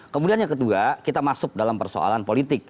kemudian yang kedua kita masuk dalam persoalan politik